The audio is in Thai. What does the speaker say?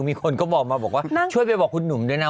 มีคนก็บอกมาบอกว่าช่วยไปบอกคุณหนุ่มด้วยนะ